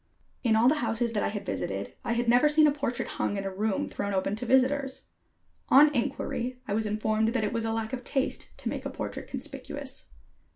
In all the houses that I had visited I had never seen a portrait hung in a room thrown open to visitors. On inquiry, I was informed that it was a lack of taste to make a portrait conspicuous.